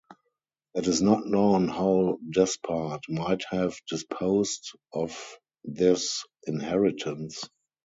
It is not known how Despard might have disposed of this inheritance.